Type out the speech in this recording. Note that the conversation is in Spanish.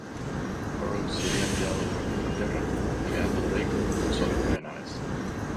Burroughs sería enviado de vuelta a Inglaterra, quedando Drake con solo nueve naves.